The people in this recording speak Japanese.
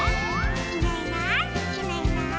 「いないいないいないいない」